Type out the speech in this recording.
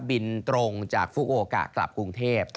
บินตรงจากฟูโอกะกลับกรุงเทพ